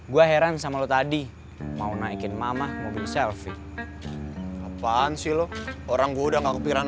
gua heran sama lu tadi mau naikin mama mobil selfie apaan sih lo orang udah nggak kepikiran